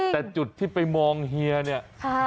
แต่จุดที่ไปมองเฮียเนี่ย